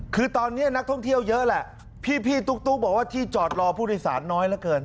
คือตอนนี้นักท่องเที่ยวเยอะแหละพี่ตุ๊กบอกว่าที่จอดรอผู้โดยสารน้อยเหลือเกิน